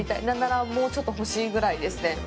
なんなら、もうちょっと欲しいぐらいですね。